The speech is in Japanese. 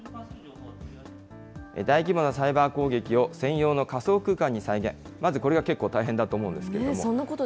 大規模なサイバー攻撃を専用の仮想空間に再現、まずこれが結構大変だと思うんですけれども。